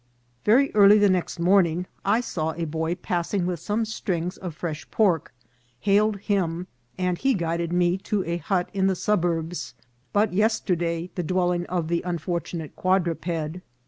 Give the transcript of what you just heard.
Very early the next morning I saw a boy passing with some strings of fresh pork, hailed him, and he guided me to a hut in the suburbs, but yesterday the dwelling of the unfortu nate quadruped.